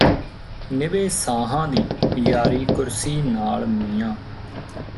ਨਿਭੇ ਸਾਹਾਂ ਦੀ ਯਾਰੀਕੁਰਸੀ ਨਾਲ ਮੀਆਂ